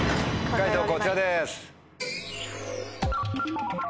解答こちらです。